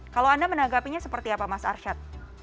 kalau anda menanggapinya seperti apa mas arsyad